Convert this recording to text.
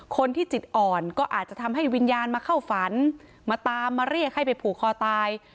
คนที่จิตอ่อนก็อาจจะทำให้วิญญาณมาเข้าฝันมาตามมาเรียกให้ไปผูกคอตาย